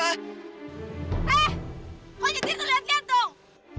eh kok nyetir tuh liat liat dong